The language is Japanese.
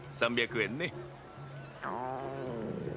３００円ね。